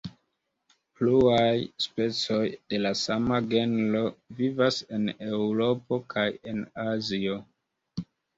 Pluaj specoj de la sama genro vivas en Eŭropo kaj en Azio.